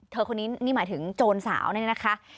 คนนี้นี่หมายถึงโจรสาวนี่นะคะ